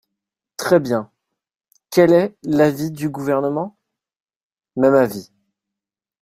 Très bien ! Quel est l’avis du Gouvernement ? Même avis.